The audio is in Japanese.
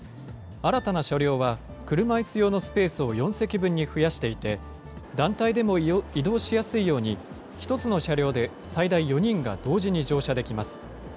新たな車両は、車いす用のスペースを４席分に増やしていて、団体でも移動しやすいように、１つの車両で最大４人が同時に乗車できます。